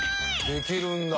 できるんだ！